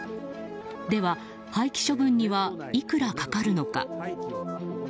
では、廃棄処分にはいくらかかるのか。